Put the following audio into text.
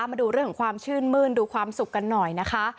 มาดูเรื่องของความชื่นมื้นดูความสุขกันหน่อยนะคะ